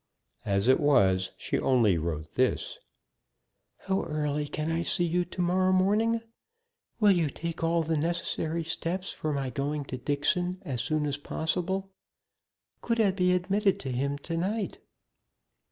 As it was, she only wrote this: "How early can I see you to morrow morning? Will you take all the necessary steps for my going to Dixon as soon as possible? Could I be admitted to him to night?"